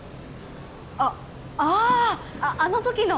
あっあああの時の？